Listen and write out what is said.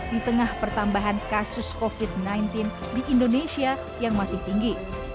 di tengah pertambahan kasus covid sembilan belas di indonesia yang masih tinggi